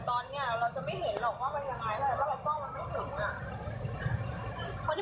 ตอนนี้เราจะไม่เห็นหรอกว่าเป็นยังไง